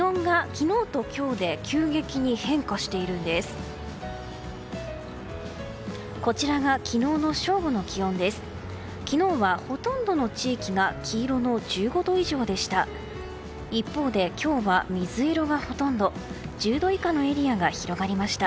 昨日は、ほとんどの地域が黄色の１５度以上でした。